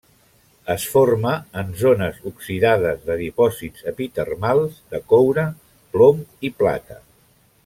Es forma en zones oxidades de dipòsits epitermals de coure, plom i plata.